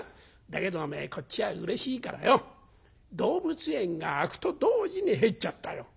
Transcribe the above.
だけどおめえこっちはうれしいからよ動物園が開くと同時に入っちゃったよ。